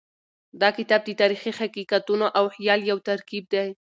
دا کتاب د تاریخي حقیقتونو او خیال یو ترکیب دی.